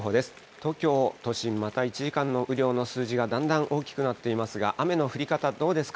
東京都心、また１時間の雨量の数字がだんだん大きくなっていますが、雨の降り方、どうですか？